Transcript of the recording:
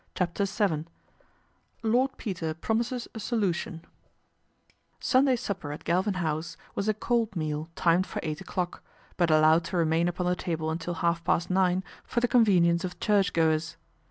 CHAPTER VII LORD PETER PROMISES A SOLUTION I^UNDAY suppei at Calvin House was a cold meal timed for eight o'clock ; but allowed to remain upon the table until half list nine for the convenience of church goers.